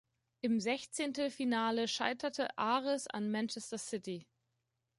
Im Sechzehntelfinale scheiterte Aris an Manchester City.